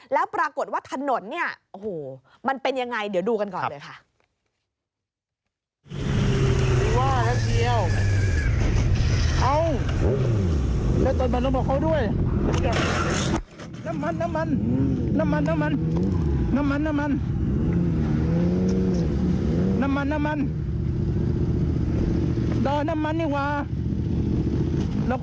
แล้วปรากฏว่าถนนเนี่ยโอ้โหมันเป็นยังไงเดี๋ยวดูกันก่อนเลยค่ะ